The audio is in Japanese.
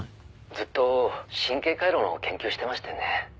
「ずっと神経回路の研究をしてましてね」